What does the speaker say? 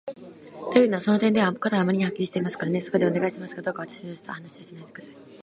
というのは、その点では事はあまりにはっきりしていますからね。そこで、お願いしますが、どうか私の助手とは話をしないで下さい。